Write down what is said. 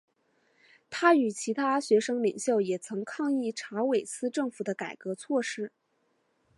他与其他学生领袖也曾抗议查韦斯政府的改革措施。